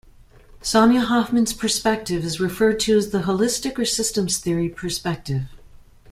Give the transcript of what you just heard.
Sonia Hoffman's perspective is referred to as the holistic, or systems theory, perspective.